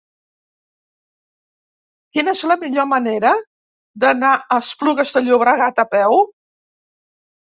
Quina és la millor manera d'anar a Esplugues de Llobregat a peu?